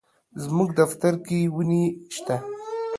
زموږ دفتر کي وني شته.